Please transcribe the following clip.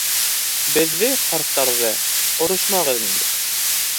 Беҙҙе, ҡарттарҙы, орошмағыҙ инде.